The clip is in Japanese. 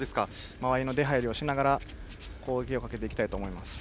間合いの出入りをしながら攻撃をかけていきたいと思います。